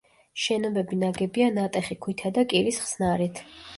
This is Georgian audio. შენობები ნაგებია ნატეხი ქვითა და კირის ხსნარით.